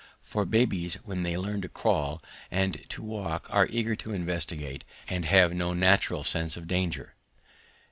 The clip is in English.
For babies when they learn to crawl and to walk are eager to investigate and have no natural sense of danger.